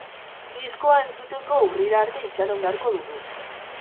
Diskoa entzuteko urrira arte itxaron beharko dugu.